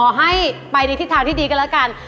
ขอให้ไปที่ทางที่ดีกันละกัน